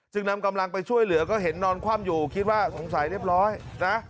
นำกำลังไปช่วยเหลือก็เห็นนอนคว่ำอยู่คิดว่าสงสัยเรียบร้อยนะ